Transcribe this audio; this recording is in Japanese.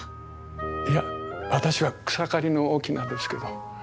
いや私は草刈の翁ですけど。